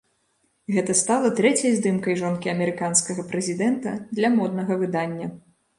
Гэта стала трэцяй здымкай жонкі амерыканскага прэзідэнта для моднага выдання.